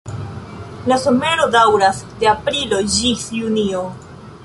La somero daŭras de aprilo ĝis junio.